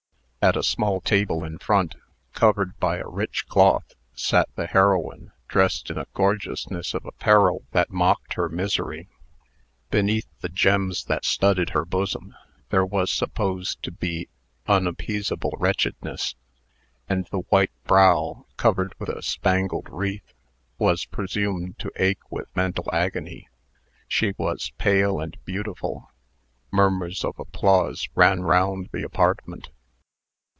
At a small table in front, covered by a rich cloth, sat the heroine, dressed in a gorgeousness of apparel that mocked her misery. Beneath the gems that studded her bosom, there was supposed to be unappeasable wretchedness; and the white brow, covered with a spangled wreath, was presumed to ache with mental agony. She was pale and beautiful. Murmurs of applause ran round the apartment.